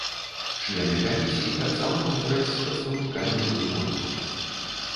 Члены камісіі таксама гутараць з прадстаўнікамі журы конкурсу.